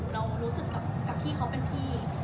เรารู้สึกแบบกับพี่เขาเป็นพี่